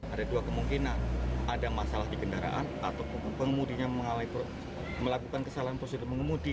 ada dua kemungkinan ada masalah di kendaraan atau pengemudinya melakukan kesalahan prosedur pengemudi